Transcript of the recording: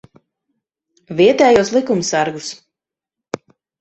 Vietējos likumsargus.